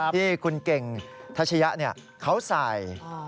ที่คุณเก่งทัชยะเขาใส่